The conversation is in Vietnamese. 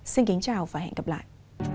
xin kính chào và hẹn gặp lại